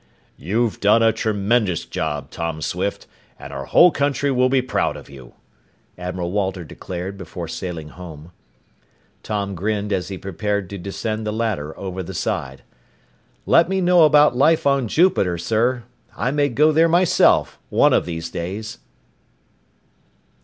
"You've done a tremendous job, Tom Swift, and our whole country will be proud of you!" Admiral Walter declared before sailing home. Tom grinned as he prepared to descend the ladder over the side. "Let me know about life on Jupiter, sir. I may go there myself one of these days!"